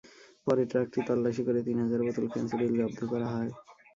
পরে ট্রাকটি তল্লাশি করে তিন হাজার বোতল ফেনসিডিল জব্দ করা হয়।